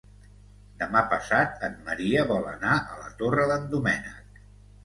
Demà passat en Maria vol anar a la Torre d'en Doménec.